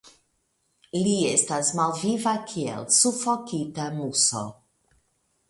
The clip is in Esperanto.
Li estas malviva kiel sufokita muso.